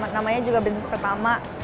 namanya juga bisnis pertama